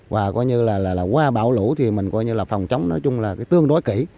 và qua bão lũ thì mình phòng trống tương đối kỹ